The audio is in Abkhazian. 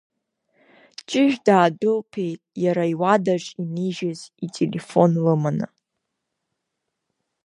Ҷыжә даадәылԥеит, иара иуадаҿ инижьыз ителефон лыманы.